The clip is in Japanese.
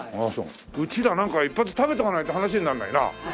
うちらなんか一発食べておかないと話にならないな。